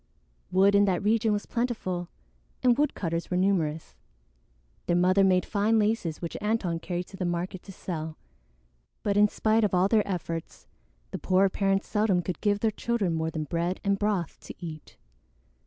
Wood in that region was plentiful, and woodcutters were numerous. Their mother made fine laces which Antone carried to the market to sell; but in spite of all their efforts, the poor parents seldom could give their children more than bread and broth to eat.